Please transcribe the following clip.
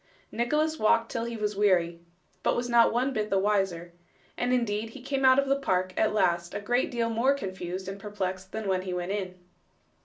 Nicholas walked till he was weary, but was not one bit the wiser; and indeed he came out of the Park at last a great deal more confused and perplexed than when he went in.